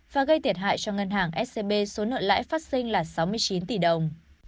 và gây thiệt hại cho ngân hàng scb số nợ lãi phát sinh là sáu mươi chín tỷ đồng